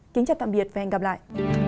kính chào tạm biệt và hẹn gặp lại